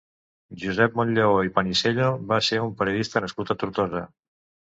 Josep Monllaó i Panisello va ser un periodista nascut a Tortosa.